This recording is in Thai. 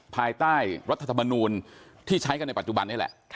ภายใต้รัฐธรรมนูลที่ใช้กันในปัจจุบันนี้แหละ